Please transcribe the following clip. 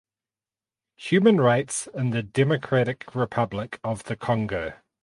Human rights in the Democratic Republic of the Congo